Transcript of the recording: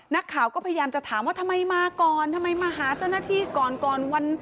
นักข่าวก็พยายามจะถามว่าทำไมมาก่อนทำไมมาหาเจ้าหน้าที่ก่อนก่อนวัน